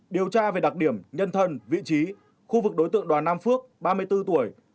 điều tra về đặc điểm nhân thân vị trí khu vực đối tượng đoàn nam phước ba mươi bốn tuổi